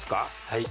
はい。